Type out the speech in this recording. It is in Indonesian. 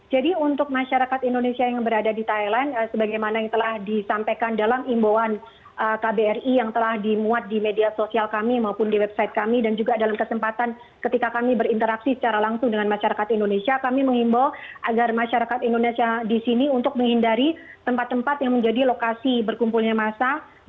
jika kemudian ada hal hal melihat dinamika yang terjadi dari akses